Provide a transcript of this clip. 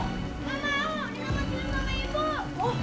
gak mau ini aku ngambil sama ibu